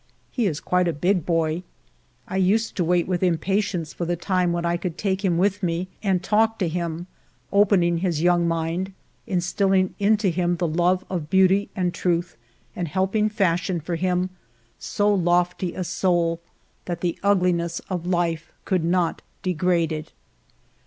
He is quite a big boy. I used to wait with impatience for the time when I could take him with me and talk with him, opening his young mind, instilling into him the love of beauty and truth, and help ing fashion for him so lofty a soul that the ugli ness of life could not degrade it.